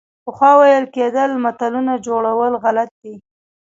پخوا ویل کېدل ملتونو جوړول غلط دي.